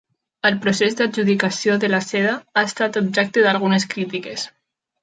El procés d'adjudicació de la seda ha estat objecte d'algunes crítiques.